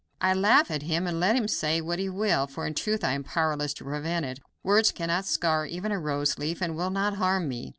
I laugh at him and let him say what he will, for in truth I am powerless to prevent it. Words cannot scar even a rose leaf, and will not harm me.